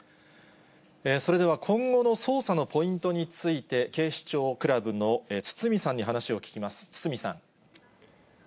それでは、今後の捜査のポイントについて、警視庁クラブの堤さんに話を聞きます。